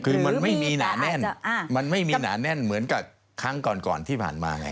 คือมันไม่มีหนาแน่นเหมือนกับครั้งก่อนที่ผ่านมาไง